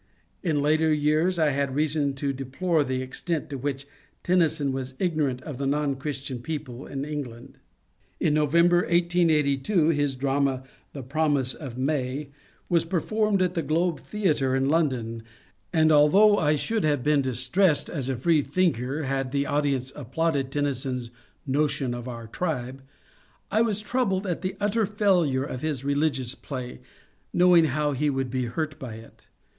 In later years I had reason to deplore the extent to which Tennyson was ignorant of the non Christian people in Eng land. In November, 1882, his drama " The Promise of May " was performed at the Globe Theatre in London, and although TENNYSON'S PLAY 37 I should have been distressed as a freethinker had the audi ence applauded Tennyson's notion of our tribe, I was troubled at the utter failure of his religious play, knowing how he would be hurt by it.